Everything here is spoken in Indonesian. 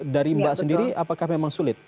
dari mbak sendiri apakah memang sulit